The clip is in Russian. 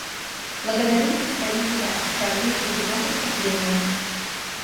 Благодарю представителя Австралии за его выступление.